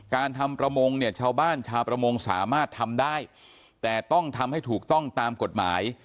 การทำประมงเนี่ยชาวบ้านชาวประมงสามารถทำได้แต่ต้องทำให้ถูกต้องตามกฎหมาย